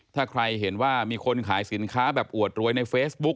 ถ้าใครเห็นว่ามีคนขายสินค้าแบบอวดรวยในเฟซบุ๊ค